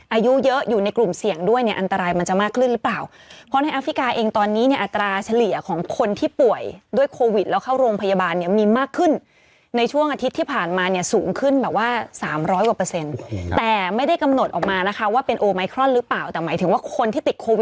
อายุเยอะอยู่ในกลุ่มเสี่ยงด้วยเนี่ยอันตรายมันจะมากขึ้นหรือเปล่าเพราะในแอฟริกาเองตอนนี้เนี่ยอัตราเฉลี่ยของคนที่ป่วยด้วยโควิดแล้วเข้าโรงพยาบาลเนี่ยมีมากขึ้นในช่วงอาทิตย์ที่ผ่านมาเนี่ยสูงขึ้นแบบว่าสามร้อยกว่าเปอร์เซ็นต์แต่ไม่ได้กำหนดออกมานะคะว่าเป็นโอไมครอนหรือเปล่าแต่หมายถึงว่าคนที่ติดโควิด